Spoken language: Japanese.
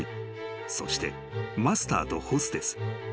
［そしてマスターとホステス］